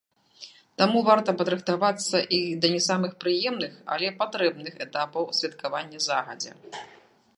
Таму варта падрыхтавацца і да не самых прыемных, але патрэбных этапаў святкавання загадзя.